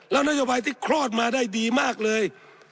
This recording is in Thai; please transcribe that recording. แล้วนโยบายที่คลอดมาได้ดีมากเลย